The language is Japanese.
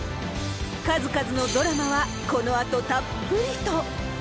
数々のドラマは、このあとたっぷりと。